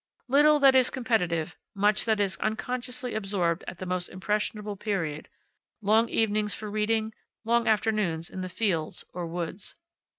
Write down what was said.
Little that is competitive, much that is unconsciously absorbed at the most impressionable period, long evenings for reading, long afternoons in the fields or woods.